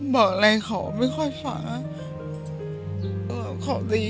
บอกอะไรขอไม่ค่อยฝากขอดี